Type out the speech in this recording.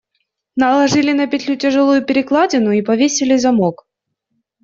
Наложили на петлю тяжелую перекладину и повесили замок.